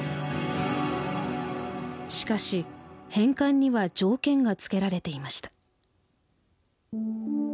しかし返還には条件がつけられていました。